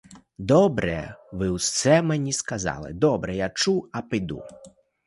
Добре ви усе мені сказали, добре я чув — а піду!